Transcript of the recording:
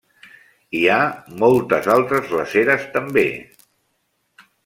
Hi ha moltes altres glaceres també.